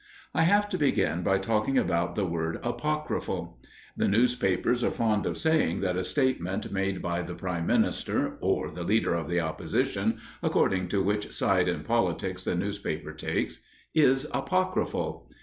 I have to begin by talking about the word apocryphal. The newspapers are fond of saying that a statement made by the Prime Minister (or the leader of the Opposition, according to which side in politics the newspaper takes) is apocryphal.